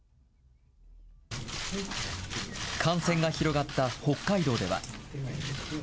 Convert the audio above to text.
感染が広がった北海道では。